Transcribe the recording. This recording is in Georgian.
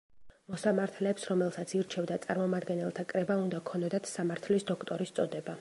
მოსამართლეებს რომელსაც ირჩევდა წარმომადგენელთა კრება უნდა ქონოდათ სამართლის დოქტორის წოდება.